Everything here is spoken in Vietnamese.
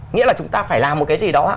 nghĩa là chúng ta phải làm một cái gì đó ạ